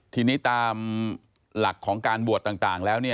ทีนี้ตามหลักของการบวชต่างแล้ว